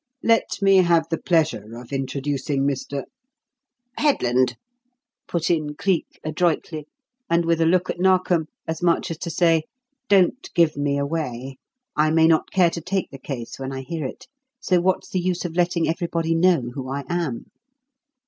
Let me have the pleasure of introducing Mr. " "Headland," put in Cleek adroitly, and with a look at Narkom as much as to say, "Don't give me away. I may not care to take the case when I hear it, so what's the use of letting everybody know who I am?"